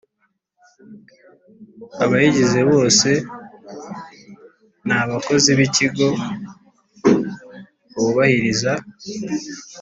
Abayigize bose n abakozi b ikigo bubahiriza